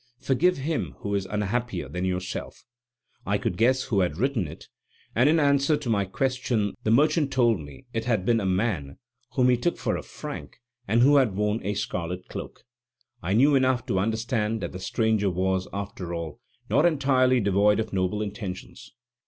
Forgive him who is unhappier than yourself!" I could guess who had written it, and in answer to my question, the merchant told me it had been a man, whom he took for a Frank, and who had worn a scarlet cloak. I knew enough to understand that the stranger was, after all, not entirely devoid of noble intentions.